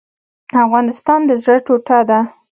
افغانستان د زړه ټوټه ده؟